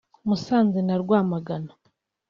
Musanze na Rwamagana